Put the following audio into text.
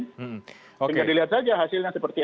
sehingga dilihat saja hasilnya seperti